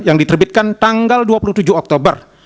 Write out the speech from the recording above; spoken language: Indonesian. yang diterbitkan tanggal dua puluh tujuh oktober